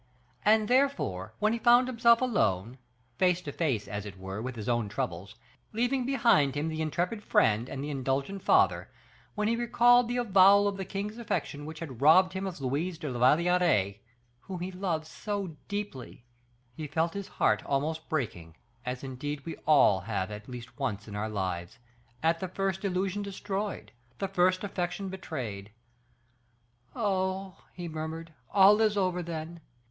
And therefore, when he found himself alone, face to face, as it were, with his own troubles, leaving behind him the intrepid friend and the indulgent father; when he recalled the avowal of the king's affection, which had robbed him of Louise de la Valliere, whom he loved so deeply, he felt his heart almost breaking, as indeed we all have at least once in our lives, at the first illusion destroyed, the first affection betrayed. "Oh!" he murmured, "all is over, then.